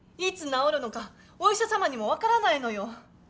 いつ治るのかお医者様にも分からないのよ。